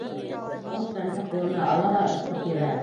Ул шәмде ҡулына ала ла ышҡып ебәрә.